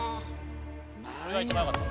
これが一番よかった。